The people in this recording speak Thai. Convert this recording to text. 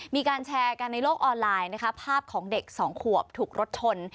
มีการแชร์กันในโลกออนไลน์นะคะภาพของเด็กสองขวบถูกรถชน